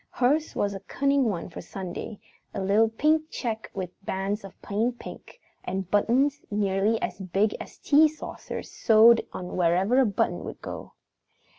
Hers was a cunning one for Sunday, a little pink check with bands of plain pink, and buttons nearly as big as tea saucers sewed on wherever a button would go.